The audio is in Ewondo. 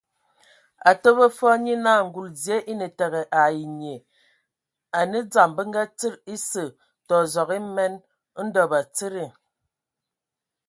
A təbə fɔɔ, nye naa ngul dzie e ne tego ai nnyie, a nǝ dzam bagǝ tsid ese, tɔ zog emen. Ndɔ batsidi.